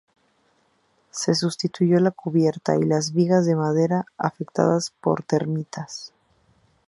Se sustituyó la cubierta y las vigas de madera, afectadas por termitas.